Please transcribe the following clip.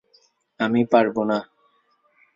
আমি পারবো না।